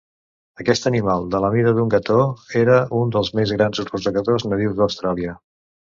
Aquest animal de la mida d'un gató era un dels més grans rosegadors nadius d'Austràlia.